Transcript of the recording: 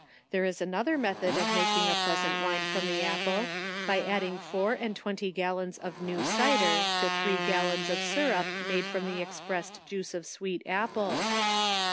There is another method of making a pleasant wine from the apple, by adding four and twenty gallons of new cider to three gallons of syrrup made from the express d juice of sweet apples.